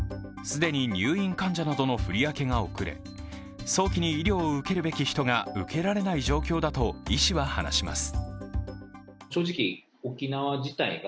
既に入院患者などの振り分けが遅れ、早期に医療を受けるべき人が受けられない状況だと医師は話します。